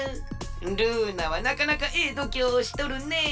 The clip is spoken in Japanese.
ルーナはなかなかええどきょうをしとるねえ。